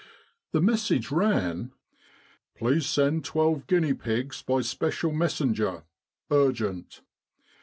The message ran :"' Please 'send twelve guinea pigs by special mes senger. Urgent.'